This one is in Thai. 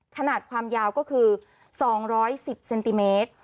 ขนาดความยาวก็คือสองร้อยสิบเซนติเมตร